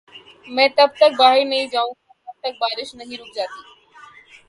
میں تب تک باہر نہیں جائو گا جب تک بارش نہیں رک جاتی۔